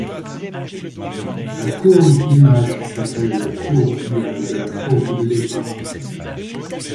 La courbe image s'appelle la courbe duale de la courbe de départ.